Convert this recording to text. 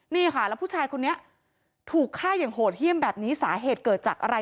นี่ค่ะแล้วผู้ชายคนนี้ถูกฆ่าอย่างโหดเยี่ยมแบบนี้สาเหตุเกิดจากอะไร